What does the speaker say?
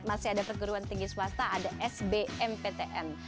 masih ada perguruan tinggi swasta ada sbmptn